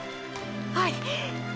はい！！